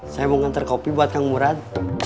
saya mau ngantar kopi buat kang murad